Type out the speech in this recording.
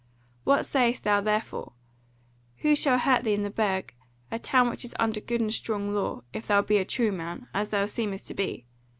What sayest thou, therefore? Who shall hurt thee in the Burg, a town which is under good and strong law, if thou be a true man, as thou seemest to be?